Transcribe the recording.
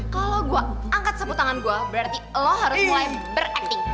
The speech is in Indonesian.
kalau gue angkat seputangan gue berarti lo harus mulai ber acting